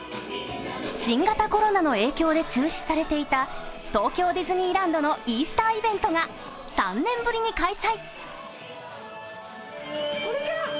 新型コロナの影響で中止されていた東京ディズニーランドのイースターイベントが３年ぶりに開催。